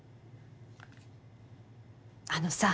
あのさぁ。